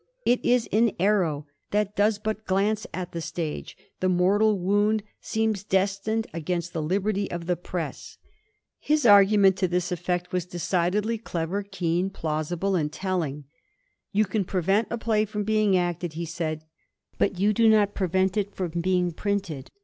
^' It is an aiTow that does but glance at the stage; the mortal wound seems destined against the liberty of the press." His argument to this effect was decidedly clever, keen, plausible, and telling. " You can prevent a play from being acted," he said, "but you do not prevent it from being printed.